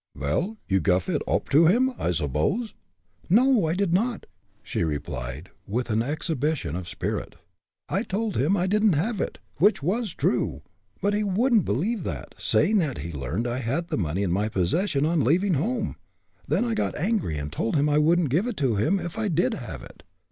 "Vel, you guff it oop to him, I subbose?" "No, I did not," she replied, with an exhibition of spirit. "I told him I didn't have it which was true but he wouldn't believe that, saying that he had learned I had the money in my possession on leaving home. Then I got angry and told him I wouldn't give it to him, if I did have it.